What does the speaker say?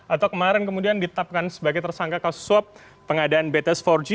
atau kemarin kemudian ditetapkan sebagai tersangka kasus swab pengadaan bts empat g